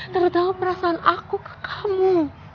terutama perasaan aku ke kamu